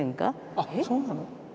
あっそうなの？